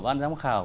ban giám khảo